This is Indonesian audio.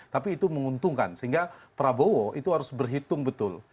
tapi itu menguntungkan sehingga prabowo itu harus berhitung betul